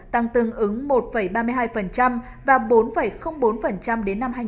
tăng tương ứng một ba mươi hai và bốn bốn đến năm hai nghìn ba mươi năm